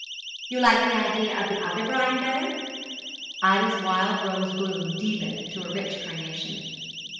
'You like the idea of the other Brian better?' Ida's wild rose bloom deepened to a rich carnation.